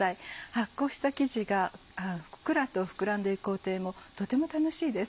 発酵した生地がふっくらと膨らんでいく工程もとても楽しいです。